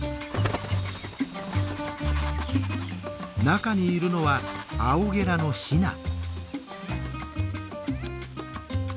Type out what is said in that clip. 中にいるのはアオゲラのヒナ。